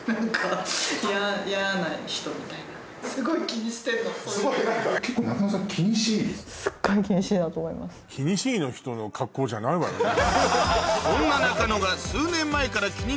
気にしいの人の格好じゃないわよね。